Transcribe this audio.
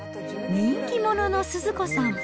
人気者のスズ子さん。